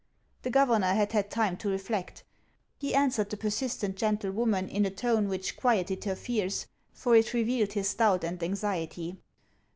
The governor had had time to reflect ; he answered the persistent gentlewoman in a tone which quieted her fears, for it revealed his doubt and anxiety.